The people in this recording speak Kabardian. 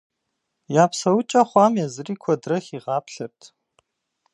Я псэукӀэ хъуам езыри куэдрэ хигъаплъэрт.